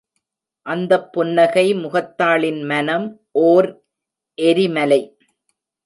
அந்தப் புன்னகை முகத்தாளின் மனம், ஓர் எரி மலை!